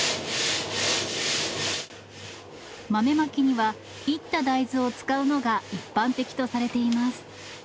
豆まきにはいった大豆を使うのが一般的とされています。